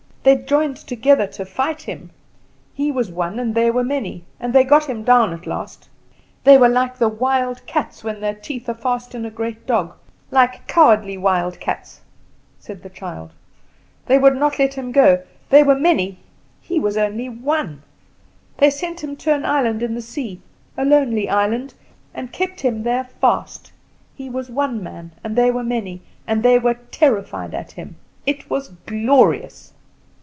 They joined together to fight him. He was one and they were many, and they got him down at last. They were like the wild cats when their teeth are fast in a great dog, like cowardly wild cats," said the child, "they would not let him go. There were many; he was only one. They sent him to an island on the sea, a lonely island, and kept him there fast. He was one man, and they were many, and they were terrified at him. It was glorious!"